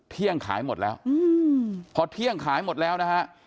เที่ยงขายหมดแล้วพอเที่ยงขายหมดแล้วนะฮะ